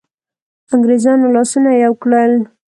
انګرېزانو لاسونه یو کړل.